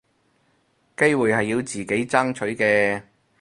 機會係要自己爭取嘅